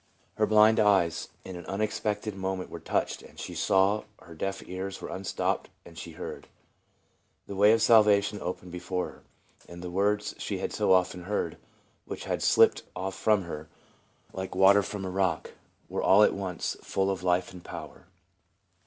Her "blind eyes in an unexpected moment were touched, and she saw ; her deaf ears were unstopped, and she heard. The way of salvation opened before her, and the words she had so often heard, and which had slip ped off from her, like water from a rock, were all at once full of life and power.